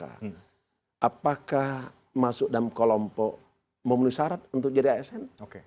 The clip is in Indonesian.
apakah masuk dalam kelompok memenuhi syarat untuk jadi asn